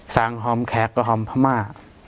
สั่งหอมแขกก็หอมพม่า